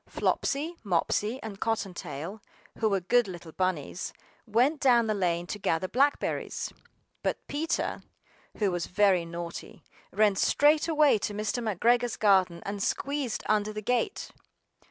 FLOPSY, Mopsy, and Cottontail, who were good little bunnies, went down the lane to gather blackberries; BUT Peter, who was very naughty, ran straight away to Mr. McGregor's garden and squeezed under the gate!